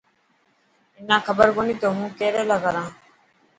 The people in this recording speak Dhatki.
منا کبر ڪوني تو هون ڪيريلا ڪران.